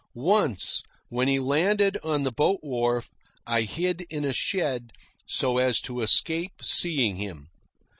Once, when he landed on the boat wharf, I hid in a shed so as to escape seeing him.